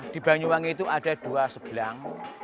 di banyuwangi itu ada dua sebelang